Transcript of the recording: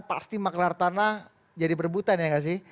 pasti maklar tanah jadi perebutan ya gak sih